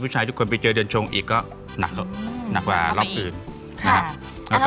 ผู้ชายทุกคนไปเจอเดือนชงอีกก็หนักเหรอหนักกว่ารอบอีกค่ะ